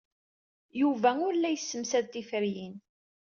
Yuba ur la yessemsad tiferyin.